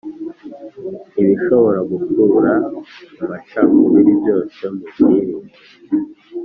Ibishobora gukurura amacakubiri byose mubyirinde